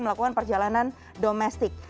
melakukan perjalanan domestik